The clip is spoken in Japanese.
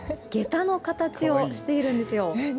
げたの形をしているんです。